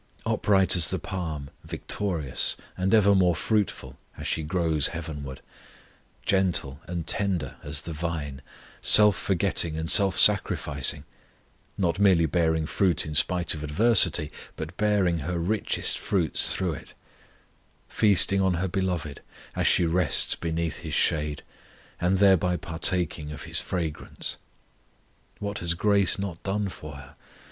Upright as the palm, victorious, and evermore fruitful as she grows heavenward; gentle and tender as the Vine, self forgetful and self sacrificing, not merely bearing fruit in spite of adversity, but bearing her richest fruits through it; feasting on her Beloved, as she rests beneath His shade, and thereby partaking of His fragrance; what has grace not done for her!